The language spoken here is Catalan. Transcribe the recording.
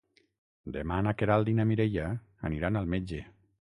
Demà na Queralt i na Mireia aniran al metge.